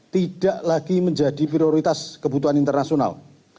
tidak lagi menjadi prioritas kebutuhan internasional